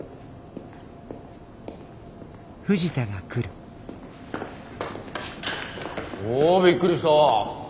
おびっくりした。